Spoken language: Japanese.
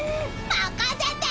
任せて！